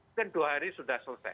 mungkin dua hari sudah selesai